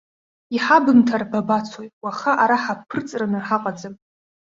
Иҳабымҭар бабацои, уаха ара ҳабԥырҵраны ҳаҟаӡам.